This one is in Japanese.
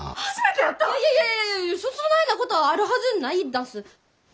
いやいやいやいやそそないなことあるはずないだす。